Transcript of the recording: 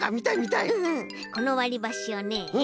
このわりばしをね